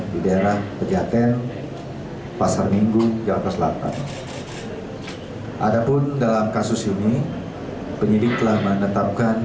di daerah pejaten pasar minggu jawa keselatan ada pun dalam kasus ini penyidik telah menetapkan